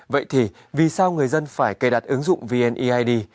vậy thì vì sao người dân phải cài đặt ứng dụng vneid